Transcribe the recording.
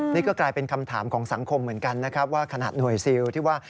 นี่ก็กลายเป็นคำถามของสังคมเหมือนกันนะครับว่าขนาดหน่วยซิลที่ว่า